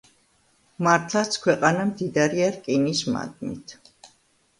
მართლაც, ქვეყანა მდიდარია რკინის მადნით.